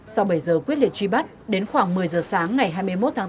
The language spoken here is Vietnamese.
sau bảy giờ quyết liệt truy bắt đến khoảng một mươi giờ sáng ngày hai mươi một tháng tám